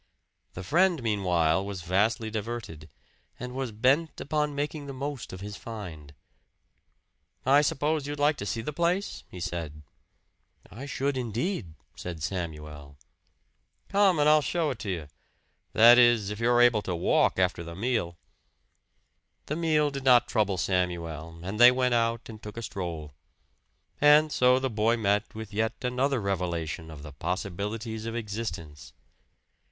The friend meanwhile was vastly diverted, and was bent upon making the most of his find. "I suppose you'd like to see the place?" he said. "I should, indeed," said Samuel. "Come and I'll show it to you that is, If you're able to walk after the meal." The meal did not trouble Samuel, and they went out and took a stroll. And so the boy met with yet another revelation of the possibilities of existence.